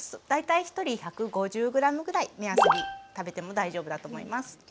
大体１人１５０ｇぐらい目安に食べても大丈夫だと思います。